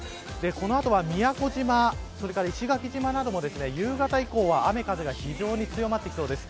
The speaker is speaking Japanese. この後は宮古島、石垣島なども夕方以降は、雨風が非常に強まってきそうです。